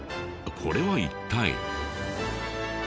これは一体。